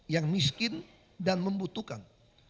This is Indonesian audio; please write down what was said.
yang miskin dan membutuhkan